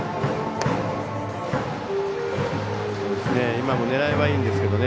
今も狙いはいいんですけどね。